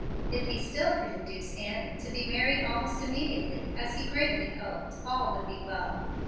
If he still could induce Annie to be married almost immediately, as he greatly hoped, all would be well.